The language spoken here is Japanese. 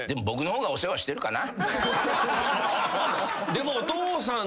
でもお父さん。